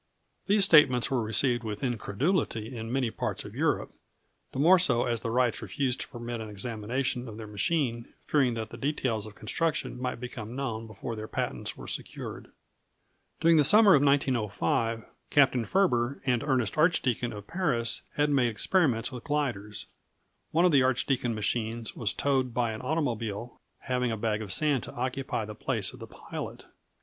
These statements were received with incredulity in many parts of Europe, the more so as the Wrights refused to permit an examination of their machine, fearing that the details of construction might become known before their patents were secured. [Illustration: The Archdeacon machine on the Seine.] During the summer of 1905, Captain Ferber and Ernest Archdeacon of Paris had made experiments with gliders. One of the Archdeacon machines was towed by an automobile, having a bag of sand to occupy the place of the pilot.